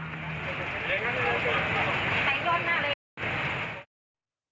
ใครโดนมาเลย